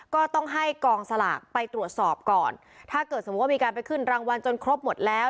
ก็ต้องให้กองสลากไปตรวจสอบก่อนถ้าเกิดสมมุติว่ามีการไปขึ้นรางวัลจนครบหมดแล้ว